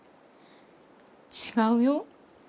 違うよ。